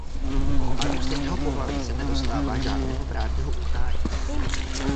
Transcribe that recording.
Párům stejného pohlaví se nedostává žádného právního uznání.